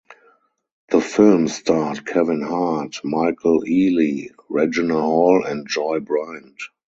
The film starred Kevin Hart, Michael Ealy, Regina Hall and Joy Bryant.